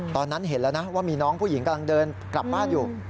ตอนนั้นเห็นแล้วนะว่ามีน้องผู้หญิงกำลังเดินกลับบ้านอยู่